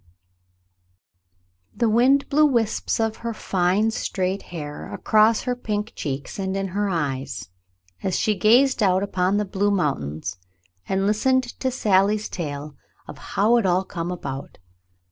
An Eventful Day 191 The wind blew wisps of her fine straight hair across her pink cheeks and in her eyes, as she gazed out upon the blue mountains and Ustened to Sally's tale of "How hit all come about."